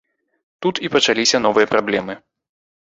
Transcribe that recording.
Тут і пачаліся новыя праблемы.